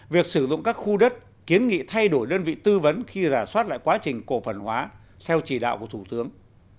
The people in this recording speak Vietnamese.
việc sử dụng các khu đất kiến nghị thay đổi đơn vị tư vấn khi rà soát lại quá trình cổ phần hóa theo chỉ đạo của thủ tướng